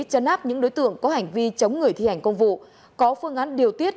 chấn áp những đối tượng có hành vi chống người thi hành công vụ có phương án điều tiết